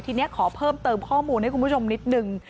ทีนี้ขอเพิ่มเติมข้อมูลให้คุณผู้ชมนิดนึง